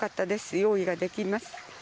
用意ができます。